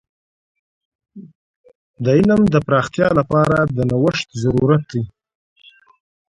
د علم د پراختیا لپاره د نوښت ضرورت دی.